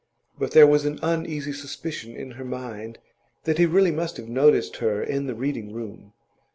But there was an uneasy suspicion in her mind that he really must have noticed her in the Reading room.